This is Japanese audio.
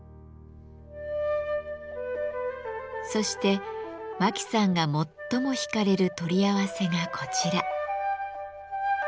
そして真木さんが最も引かれる取り合わせがこちら。